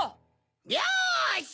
よし！